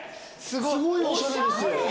すごいおしゃれです。